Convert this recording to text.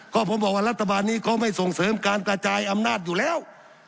ก็ผมบอกว่ารัฐบาลนี้เขาไม่ส่งเสริมการกระจายอำนาจอยู่แล้ว